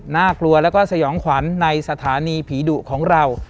น่ากลัวแล้วก็สยองขวัญในสถานีผีดุของเรา